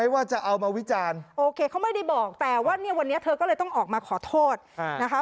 วันนี้เธอก็เลยต้องออกมาขอโทษนะคะ